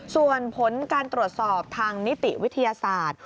ส่วนผลการตรวจสอบทางนิติวิทยาศาสตร์